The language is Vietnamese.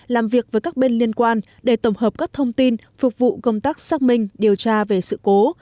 làm việc với các bên liên quan để tổng hợp các thông tin phục vụ công tác xác minh điều tra về sự cố